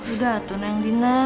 udah atun dan dina